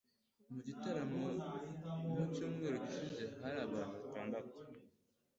Mu gitaramo mu cyumweru gishize hari abantu batandatu.